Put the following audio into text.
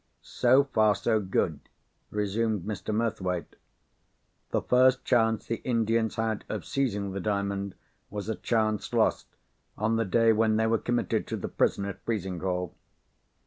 "So far, so good," resumed Mr. Murthwaite. "The first chance the Indians had of seizing the Diamond was a chance lost, on the day when they were committed to the prison at Frizinghall.